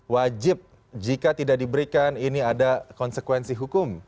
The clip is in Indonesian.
wajib jika tidak diberikan ini ada konsekuensi hukum